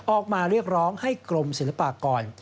ออกมาเรียกร้องให้กรมศิลปากร